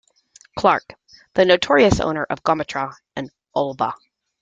Clark, the notorious owner of Gometra and Ulva.